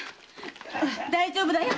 大丈夫だよ。